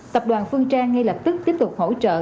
tập đoàn phương trang ngay lập tức tiếp tục hỗ trợ